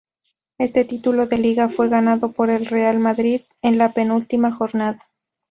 Este título de Liga fue ganado por el Real Madrid en la penúltima jornada.